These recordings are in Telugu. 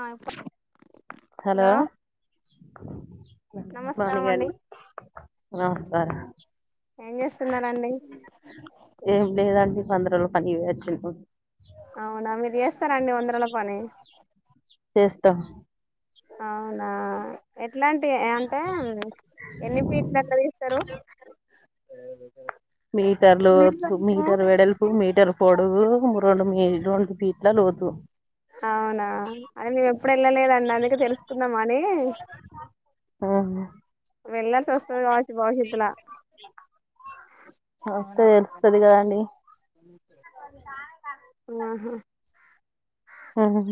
ఆ ఎప్పు హలో మార్నింగ్ అండి నమస్కారం ఏం చేస్తున్నారండి ఎం లేదండి బందరులో పని పోయి వచ్చిండురు అవునా మీరు చేస్తార అండి బందర్లో పని చేస్త అవునా ఎట్లాంటి అంటే ఎన్ని పీట్లు అట్లా తీస్తారు [unintelligible] మీటర్లు మీటర్ వెడల్పు మీటర్ పొడువు రెండు మీ రెండు పి అవునా అయన్ని చేప్ ఎప్పుడు వెళ్ళలేదండి అందుకే తెలుసుకుందామ అని వెళ్ళాల్సి వస్తది కాబట్టి భవిష్యత్తుల వస్తె తెలుస్తది కదాండి ఆహా మ్మ్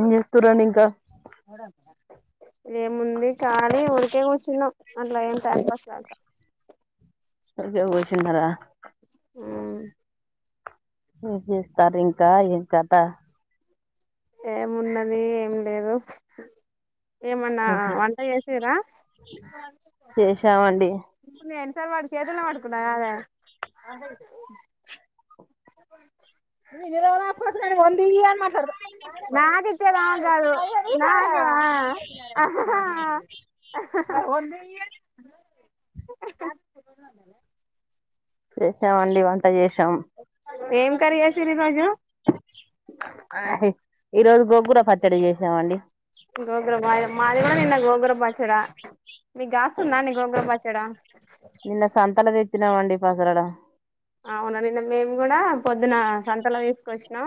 ఏం చేస్తురండి ఇంకా ఏముంది కాలి ఉరికే కూర్చున్నాం అట్లా ఏం టైమ్ పాస్ కాక ఉకే కూసున్నారా ఉమ్ ఏం చేస్తారు ఇంకా ఏం కథ ఏమున్నది ఏం లేదు ఏమన్నా ఒకే వంట చేసిరా చేసామండి ఇప్పుడు నేను ఎన్ని సార్లు వాడి చేతులునే పడుకున్న [unintelligible] ఏం మాట్లాడదు [unintelligible] ఆ చేశామండి వంట చేస్ ఏం కర్రీ చేస్సిర్రు ఈరోజు ఈ రోజు గోంగూర పచ్చడి చేసామండి గోంగూర మాయం మాది కూడా నిన్న గోంగూర పచ్చడా మీకు కాస్తుందా అండి గోంగూర పచ్చడా నిన్న సంతల తెచ్చినామండి పసరాడ అవున నిన్న మేము కూడా పొద్దున సంతల వేస్ కొచ్చినం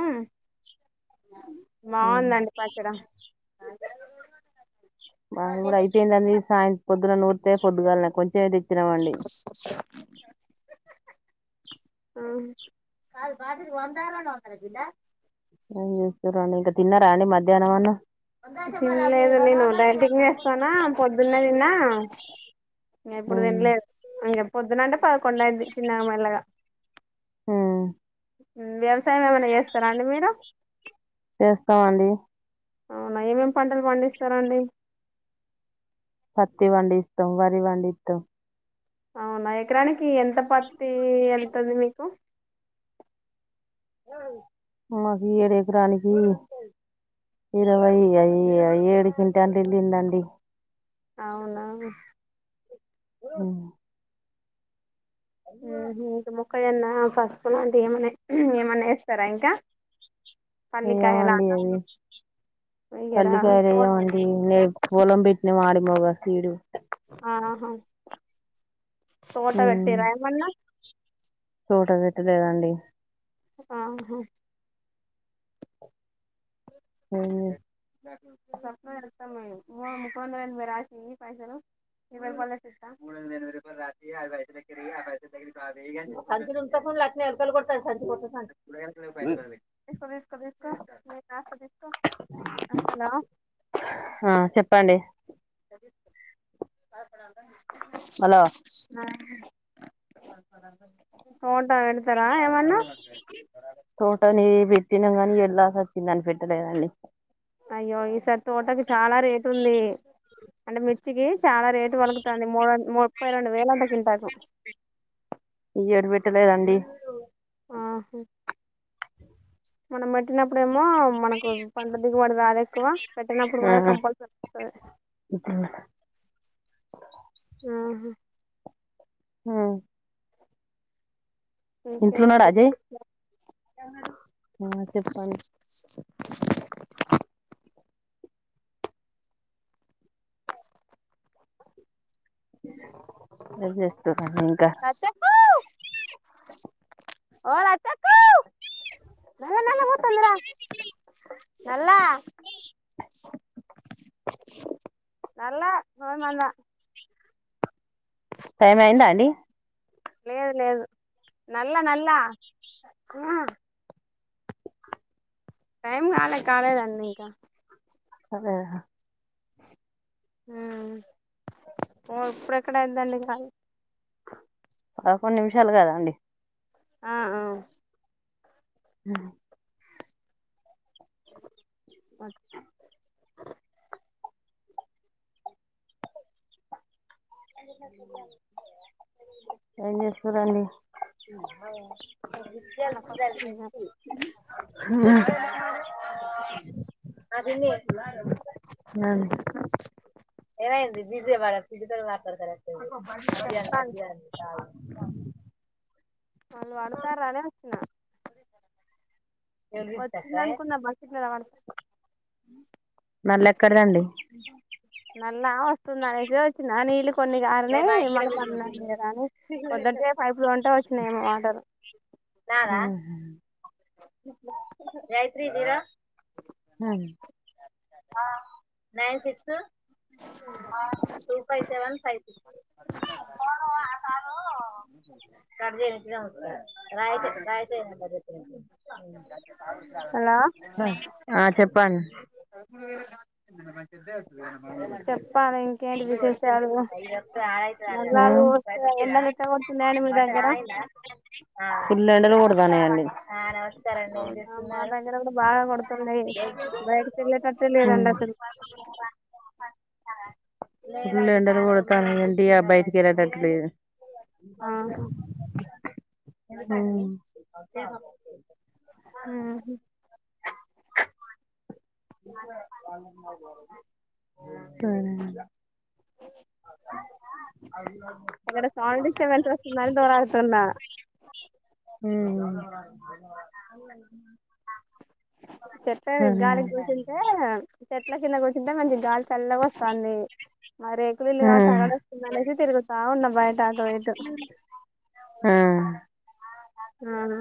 బాగుందండి పచ్చడం బ ఇఊ యితేయింద అంది సాయంత పద్ న ఫొడ్గా కొంచెం కాదు పాటకి వందార వందడదల అశ రాణి ఇక దిన రాణి మధ్యాహ్నవనా తిలేద నోంటంటి స్తానా పొద్దున్న తిన్నా ఇ ఉమ్ ఎప్పుడుదంలే పొద్దున అంటే పదకొండడు అది చిన్నగా మెల్లగా హ వ్యవసాయం ఏమనా చేస్తారా అండి మీరు చేస్తామండి అవునా ఏమేం పంటలు పండిస్తారండి పత్తి వండిస్తాం వరి వండిస్తాం అవునా ఎకరానికి ఎంత పత్తి వెళ్తుంది మీకు మాకు ఏడు ఎకరానికి ఇరవై ఏడు కింటంట వెళ్ళిందండి అవునా ఆ ఉహు మొక్కజొన్న పసుపు లాంటివి ఏమన్నా ఏమన్నా వేస్తారా ఇంకా వేయ్యమండి పల్లికాయలాగా వెయ్యరా పల్లికాయ తోట వెయ్యమండి పొలం పెట్టిన ఆడ మోగ, స్వీడు ఆహా తోట ఉమ్ పెట్టిరా ఏమన్నా తోట పెట్టలేదండి ఆహా అవునా స్వప్నం ఇతా మ ముప్పంద రాశి పైసను పా క ఆ చెప్పండి అ హాలో ఫోను తోట నే పెట్టినం గాని ఈ ఏడు లాస్ వచ్చిందని పెట్టలేదు అండి అయ్యో ఈ సారి తోటకి చాలా రేటు ఉంది అంటే మిర్చికి చాలా రేటు వలుకుతుంది మూడు మ ముప్పై రెండు వేయిలు అంట క్వింటాకు ఈ ఏడు పెట్ట లేదండి ఆహ మనం పెట్టినప్పుడేమో మనకు పంటదిగుబడి రాలే ఎక్కువ పెట్టనప్పుడు ఆ మరే కంపల్సరీ ఆహా హ ఇంట్లో ఉన్నాడా ఇంకేంటి అజయ్ హా చెప్పండి ఎజేస్తరు అ చె పో అ నల న మమాందా టైం అయిందా అండి లేదు లేదు నల్ల నల్ల హు టైం కాలే కాలేదండి ఇంకా అదేగా మ్ ఓ ఇప్పుడు ఎక్కడ అయిందండి కాద్ పదకొండు నిమిషాలు కదా అండి ఆ ఆ హ్మ్ మత్ ఏం చేస్తుర్రండి మ్మ్ ఏమైంది బిజి గా మాట్లాడ సుజి తో మాట్లాడతలేదు అది అన్ చెప్తాను అది [unintelligible] వాళ్ళు పడతారా నే అట్లా వచ్చింది అనుకున్న బకెట్లలో పడు మల్లెఎక్కడదండి నల్లా వస్తుందనేసి వచ్చినా నీళ్లు కొన్ని కారినయి మళ్ళ పడైంది కదా అని పొద్దటే పైపు లో ఉంటే వచ్చినయేమో వాటర్ గాయిత్రీ జీరా మ్మ్ ర్జ ఎనికి నమస్కారం రా రాశన బధ [unintelligible] హలో మ్మ్ ఆ చెప్ ప్పన్ చెప్పాను ఇంకేంటి విశేషాలు నల్లాలు వస్తే ఎండలు ఎట్టా కొడుతున్నాయండి మీ దగ్గర ఫుల్లు ఎండలు కొడుతున్నాయండి అవునా మా దగ్గర కూడా బా కొడుతుంది బయటకెళ్లేేటట్టే లేదండి అసలు ఫుల్ ఎండలు కొడుతున్నాయి అండి బయటికి వెళ్ళేటట్టు లేదు ఆహా [unintelligible] హ్మ్ ఊహూ హ్మ్ ఎక్కడ సౌండ్ డిస్టబెన్స్ వస్తుందో అని దావరాడుతున్న హ్మ్ చెట్టు గాలి కి కూర్చుంటే చె ఇట్లా చిన్న కూర్చుంటే మంచి గాలి చల్లగ వస్తాంది మా రేకులు ఇల్లు కాబట్టి సెగలొస్తుంది అనేసి తిరుగుతా ఉన్నా బయ ఆ అవునా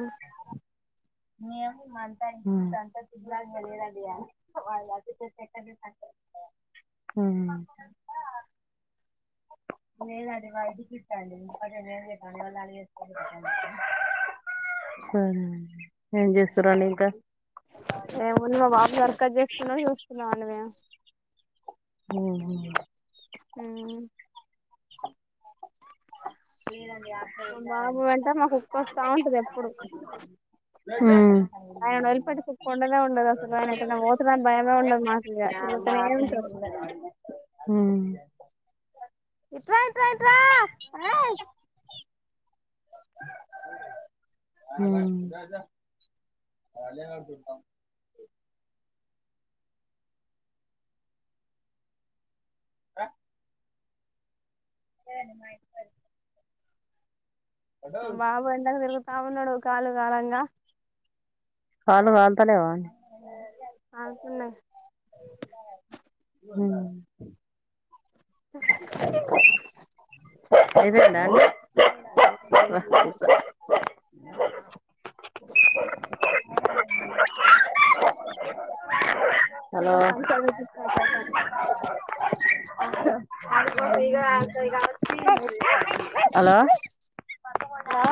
ఉమ్మ్ ఉహుసరే అండి ఏం జేస్తారు అండి ఇంకా ఏముంది మా బాబు సర్కస్ చేస్తున్నాడు చూస్తున్నా మండి మేము ఉమ్ ఉ మ్ మా బాబు వెంట మా కుక్క వస్తా ఉంటది [inaudible] ఉమ్ అయనను వదిలి పెట్టి కుక్క ఉండనే ఉండదు అసలు ఆయన ఏటన్న పోతాడు అని భయమే ఉండది మాకు ఇగ తిరుగుతనే ఉంటారు. మ్మ్ ఇట్రా ఇట్రా ఇట్ర అ [inaudible] మ్ ఆ [inaudible] సరే అండి మా ఇంటి మా బాబు ఎండకి తిరుగు ఆ వున్నాడు కాలు కాలంగా కాళ్ళు కాల్త లేవ అండి అనుకున్నాయి మ్మ్ [inaudible] ఇదేనండి [unintelligible] అబ్బ కుక్కా [inaudible] మేం పనికి ఆలోచిస్తాం [unintelligible] హలో హలో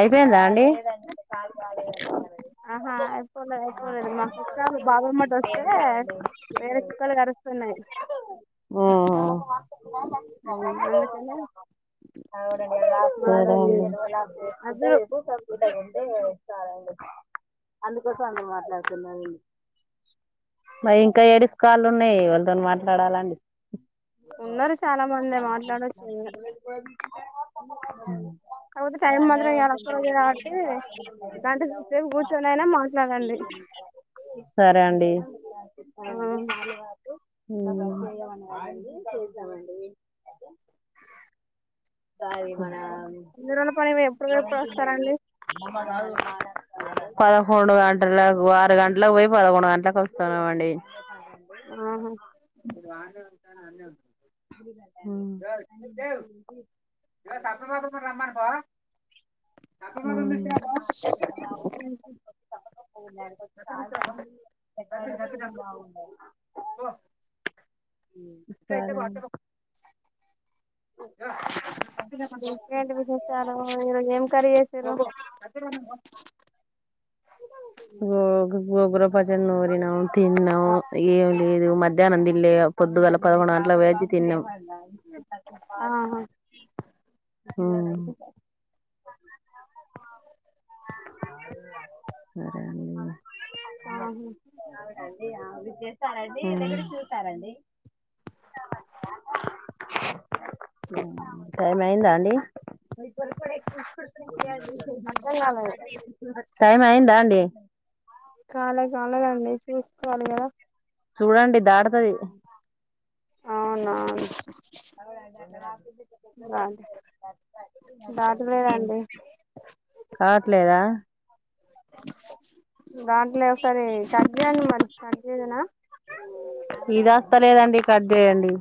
అయిపోయిందా అండి ఆహా అయిపోలేదు అయిపోలేదు మా కుక్క బాబు ఎమ్మట వస్తే వేరే కుక్కలు కరుస్తున్నాయి మ్మ్ అందుకనే సరే మాది అదురు అండి [unintelligible] అందుకోసం మాట్లాడుతున్నా మరి ఇంకా ఏడు స్ కాళ్ళు ఉన్నాయి వాళ్ళతో మాట్లాడాలండి ఉన్నారు చాలా మంది మాట్లాడొచ్చు ఏం కాదు కాకపోతే టైమ్ ఇయ్యల ఒక్కరోజే కాబట్టి గంట సేపు కూర్చొని అయినా మాట్లాడండి. సరే అండి ఆ కాళ వాపు మ్ అది వంద రోజుల పని ఎప్పుడు పోయి ఎప్పుడు వస్తారండి. పదకొండు గంటలకు ఆరు గంటలకు పోయి పదకొండు గంటలకు వస్తున్నామండి. [inaudible] ఆహా [inaudible] మ్మ్ వా [inaudible] ఓ [unintelligible] ఇంకెంటి విశేషాలు ఈరోజు ఏం కర్రీ చేసింరు గోగగో పచ్చడి నూరినం తిన్నాం ఆహా ఇగేం లేదు మధ్యాహ్నం తింల్లే పొద్దుగాల పదకొండు గంటల పొయొచ్చి తిన్నం ఆ మ్మ్ ఆ సరే ఆహా అండి అవునండి ఆ [inaudible] టైం అయిందా అండి [inaudible] అర్థం కాలేదు టైం అయింది రాండి కాలే కాలదండి చూసుకోవాలి కదా చూడండి దాటుతది అవునా బాగా దాటలేదండి కావట్లేదా దాంట్లే ఒకసారి కట్ చేయండి మరి కట్చేయనా లేదండి కట్ చేయండి